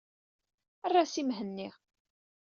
Err-as i Mhenni.